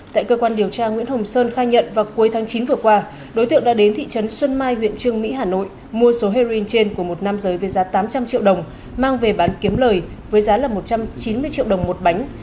tại cơ quan điều tra nguyễn hồng sơn khai nhận vào cuối tháng chín vừa qua đối tượng đã đến thị trấn xuân mai huyện trương mỹ hà nội mua số heroin trên của một nam giới với giá tám trăm linh triệu đồng mang về bán kiếm lời với giá là một trăm chín mươi triệu đồng một bánh